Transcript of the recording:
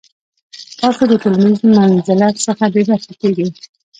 تاسو د ټولنیز منزلت څخه بې برخې کیږئ.